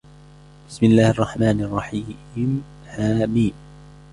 بِسْمِ اللَّهِ الرَّحْمَنِ الرَّحِيمِ حم